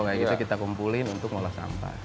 kayak gitu kita kumpulin untuk ngolah sampah